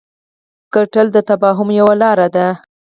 کتل د تفاهم یوه لاره ده